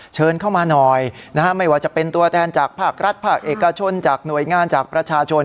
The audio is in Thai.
เชิญเข้ามาหน่อยนะฮะไม่ว่าจะเป็นตัวแทนจากภาครัฐภาคเอกชนจากหน่วยงานจากประชาชน